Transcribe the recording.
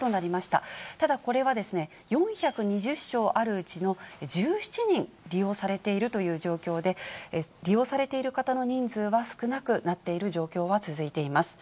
ただ、これは４２０床あるうちの１７人、利用されているという状況で、利用されている方の人数は少なくなっている状況は続いています。